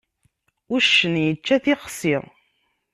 Uccen yečča tixsi.